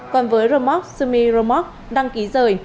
còn với remote semi remote đăng ký rời